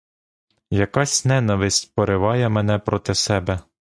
Якась ненависть пориває мене проти себе.